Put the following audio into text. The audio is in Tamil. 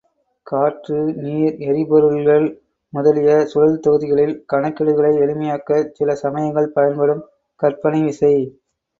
காற்று, நீர், எரிபொருள்கள் முதலிய சுழல்தொகுதிகளில் கணக்கீடுகளை எளிமையாக்கச் சில சமயங்கள் பயன்படும் கற்பனை விசை.